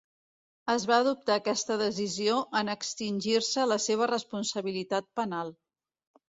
Es va adoptar aquesta decisió en extingir-se la seva responsabilitat penal.